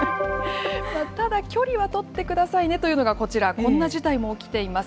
ただ、距離は取ってくださいねというのがこちら、こんな事態も起きています。